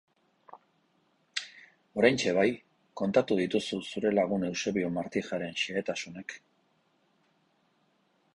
Oraintxe bai, kontatu dituzu zure lagun Eusebio Martijaren xehetasunak...